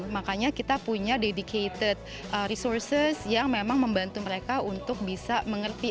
makanya kita punya dedicated resources yang memang membantu mereka untuk bisa mengerti